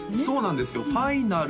そうなんですよ